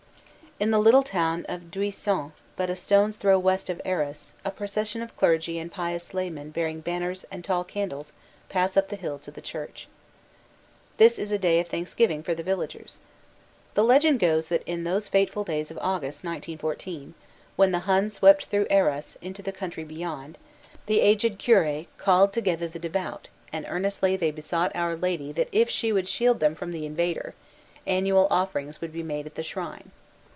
a In the little town of Duisans but a stone s throw west of Arras a procession of clergy and pious laymen bearing banners and tall candles pass up the hill to the church. This is a day of thanksgiving for the villagers. The legend goes that in those fateful days of August, 1914, when the Hun swept through Arras into the country beyond, the aged Cure called together the devout and earnestly they besought Our Lady that if She would shield them from the invader, annual offerings would be made at the shrine.